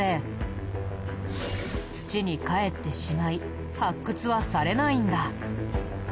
土にかえってしまい発掘はされないんだ。